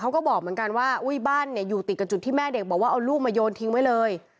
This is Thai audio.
เขาก็บอกเหมือนกันว่าอุ้ยบ้านเนี่ยอยู่ติดกับจุดที่แม่เด็กบอกว่าเอาลูกมาโยนทิ้งไว้เลย